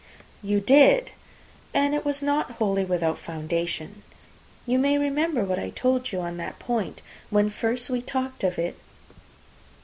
"You did! and it was not wholly without foundation. You may remember what I told you on that point, when first we talked of it."